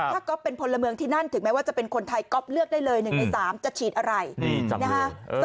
ถ้าก๊อฟเป็นพลเมืองที่นั่นถึงแม้ว่าจะเป็นคนไทยก๊อฟเลือกได้เลย๑ใน๓จะฉีดอะไรนะฮะ